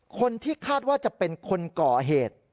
คนที่คาดว่าจะเป็นคนก่อเหตุ